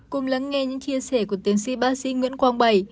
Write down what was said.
cùng lắng nghe những chia sẻ của tiến sĩ bác sĩ nguyễn quang bảy